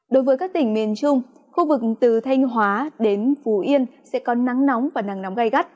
đối với các tỉnh miền trung khu vực từ thanh hóa đến phú yên sẽ có nắng nóng và nắng nóng gai gắt